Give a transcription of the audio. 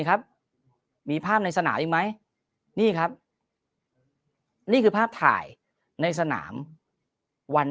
ครับมีภาพในสนามอีกไหมนี่ครับนี่คือภาพถ่ายในสนามวัน